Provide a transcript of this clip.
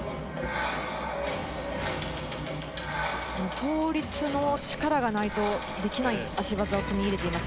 倒立の力がないとできない脚技を組み入れています。